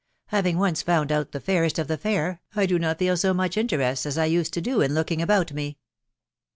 ... Having once found out the fairest of the fair, I do not feel so much interest as I used to do in looking about me."